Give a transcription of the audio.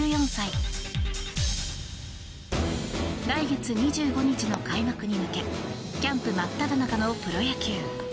来月２５日の開幕に向けキャンプ真っただ中のプロ野球。